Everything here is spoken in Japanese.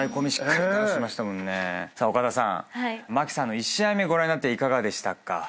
茉輝さんの１試合目ご覧になっていかがでしたか？